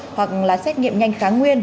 hoặc là xét nghiệm nhanh kháng nguyên